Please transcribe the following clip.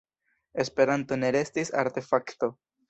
Esperanto ne restis artefakto.